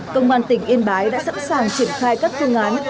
công an tỉnh yên bái đã sẵn sàng triển khai các phương án